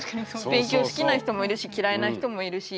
勉強好きな人もいるし嫌いな人もいるし。